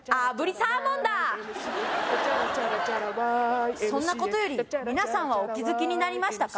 Ｙ．Ｍ．Ｃ．Ａ．そんなことより皆さんはお気づきになりましたか？